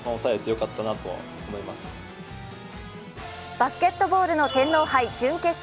バスケットボールの天皇杯準決勝。